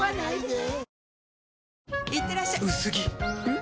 ん？